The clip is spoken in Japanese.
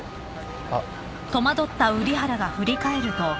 あっ。